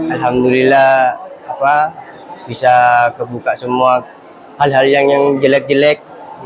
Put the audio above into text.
alhamdulillah bisa kebuka semua hal hal yang jelek jelek